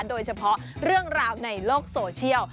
โดยเฉพาะเรื่องราวในโลกโซเชียล